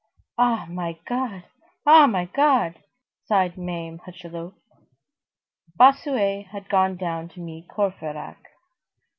—"Ah my God! Ah my God!" sighed Mame Hucheloup. Bossuet had gone down to meet Courfeyrac.